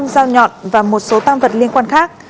năm dao nhọn và một số tam vật liên quan khác